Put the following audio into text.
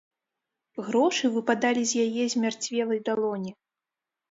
Грошы выпадалі з яе змярцвелай далоні.